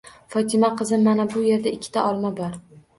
Fotima qizim, mana bu yerda ikkita olma bor.